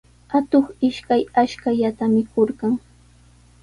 Atuqqa ishkay ashkallaata mikurqan.